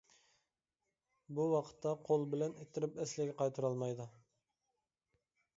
بۇ ۋاقىتتا قول بىلەن ئىتتىرىپ ئەسلىگە قايتۇرالمايدۇ.